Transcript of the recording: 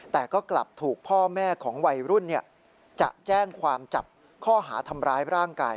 แต่ก็กลับถูกพ่อแม่ของวัยรุ่นจะแจ้งความจับข้อหาทำร้ายร่างกาย